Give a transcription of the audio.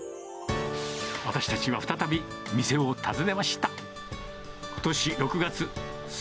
私たちは再び店を訪ねました。